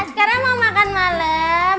sekarang mau makan malam